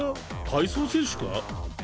体操選手か？